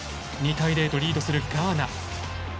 ２対０とリードするガーナ。